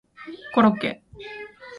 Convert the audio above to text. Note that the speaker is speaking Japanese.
コロッケ